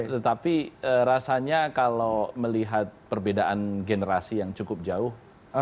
tetapi rasanya kalau melihat perbedaan generasi yang cukup jauh